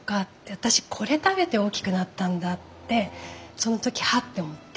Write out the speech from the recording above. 私これ食べて大きくなったんだってその時ハッて思って。